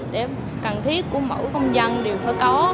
để cần thiết của mỗi công dân đều phải có